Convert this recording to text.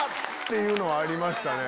ていうのはありましたね。